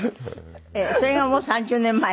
それがもう３０年前？